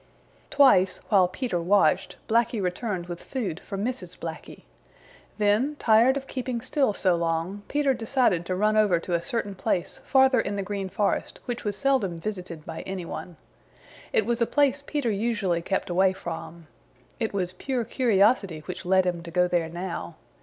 Twice, while Peter watched, Blacky returned with food for Mrs. Blacky. Then, tired of keeping still so long, Peter decided to run over to a certain place farther in the Green Forest which was seldom visited by any one. It was a place Peter usually kept away from. It was pure curiosity which led him to go there now.